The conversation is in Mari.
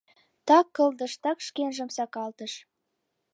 Так кылдыш, так шкенжым сакалтыш...